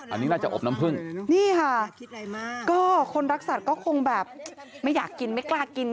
อันนี้น่าจะอบน้ำพึ่งนี่ค่ะก็คนรักสัตว์ก็คงแบบไม่อยากกินไม่กล้ากิน